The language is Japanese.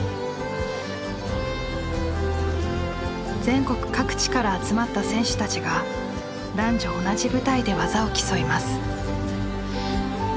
全国各地から集まった選手たちが男女同じ舞台で技を競います。